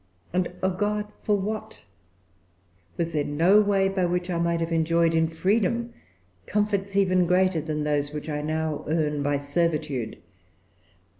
And, O God! for what? Was there no way by which I might have enjoyed in freedom comforts even greater than those which I now earn by servitude?